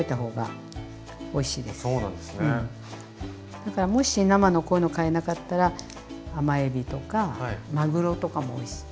だからもし生のこういうのを買えなかったらあまえびとかまぐろとかもおいしい。